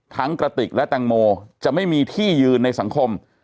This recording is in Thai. กระติกและแตงโมจะไม่มีที่ยืนในสังคม